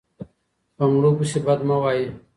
په مړو پسې بد مه وایئ.